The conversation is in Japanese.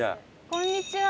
こんにちは。